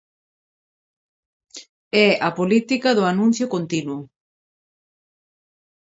É a política do anuncio continuo.